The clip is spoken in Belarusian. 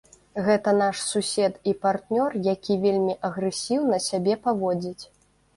Гэта наш сусед і партнёр, які вельмі агрэсіўна сябе паводзіць.